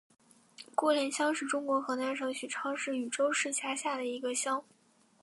郭连乡是中国河南省许昌市禹州市下辖的一个乡。